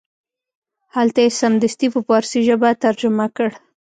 هلته یې سمدستي په فارسي ژبه ترجمه کړ.